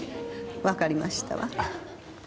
わかりましたわ。